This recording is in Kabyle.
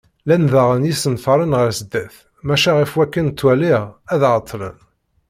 Llan daɣen yisenfaren ɣer sdat, maca ɣef wakken ttwaliɣ ad ɛeṭṭlen.